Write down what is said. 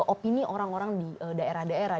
opini orang orang di daerah daerah